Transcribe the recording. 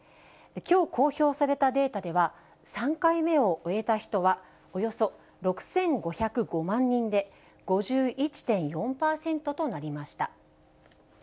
きょう公表されたデータでは、３回目を終えた人は、およそ６５０５万人で、５１．４％となりました。